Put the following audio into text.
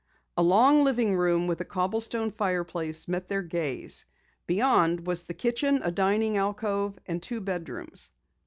A long living room with a cobblestone fireplace met their gaze. Beyond was the kitchen, a dining alcove, and two bedrooms.